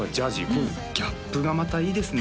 このギャップがまたいいですね